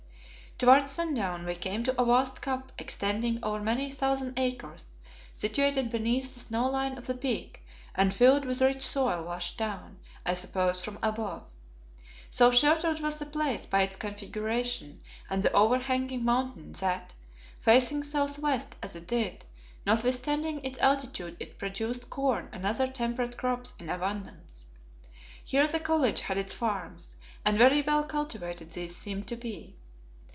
Towards sundown we came to a vast cup extending over many thousand acres, situated beneath the snow line of the peak and filled with rich soil washed down, I suppose, from above. So sheltered was the place by its configuration and the over hanging mountain that, facing south west as it did, notwithstanding its altitude it produced corn and other temperate crops in abundance. Here the College had its farms, and very well cultivated these seemed to be.